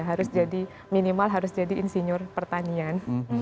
harus jadi minimal harus jadi insinyur pertanian